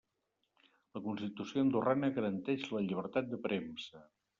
La constitució andorrana garanteix la llibertat de premsa.